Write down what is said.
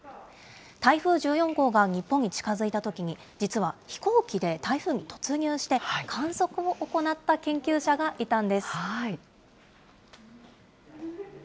台風１４号が日本に近づいたときに、実は飛行機で台風に突入して、観測を行った研究者がいたんです。